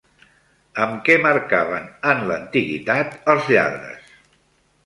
Amb què marcaven en l'antiguitat als lladres?